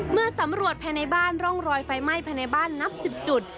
เมื่อสำรวจภายในบ้านร่องรอยไฟไหม้ภายในบ้านนับ๑๐จุด